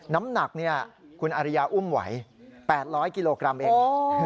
น้ำหนักคุณอริยาอุ้มไหว๘๐๐กิโลกรัมเอง